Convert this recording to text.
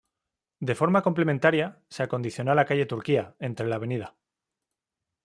De forma complementaria, se acondicionó la calle Turquía, entre la Av.